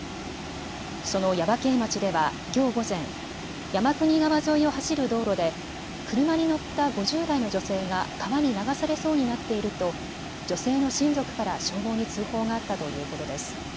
その耶馬渓町ではきょう午前山国川沿いを走る道路で車に乗った５０代の女性が川に流されそうになっていると女性の親族から消防に通報があったということです。